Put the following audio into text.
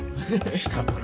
下から。